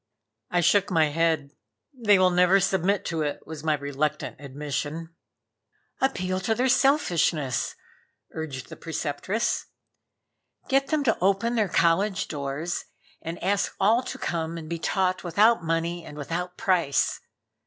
I shook my head "They will never submit to it," was my reluctant admission. "Appeal to their selfishness," urged the Preceptress "Get them to open their college doors and ask all to come and be taught without money and without price.